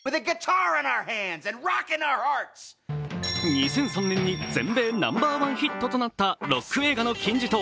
２００３年に全米ナンバーワンヒットとなったロック映画の金字塔、